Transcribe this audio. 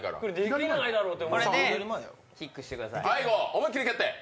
思いっきり蹴って。